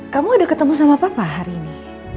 kamu ada ketemu sama papa hari ini